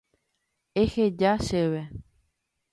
Eheja chéve.